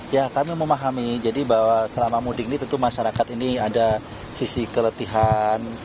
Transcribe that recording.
ya kami memahami jadi bahwa selama mudik ini tentu masyarakat ini ada sisi keletihan